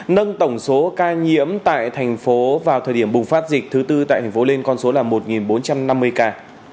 nâng tổng số ca nhiễm tại thành phố vào thời điểm bùng phát dịch thứ tư tại thành phố lên con số là một bốn trăm năm mươi ca